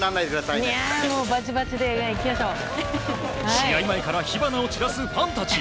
試合前から火花を散らすファンたち。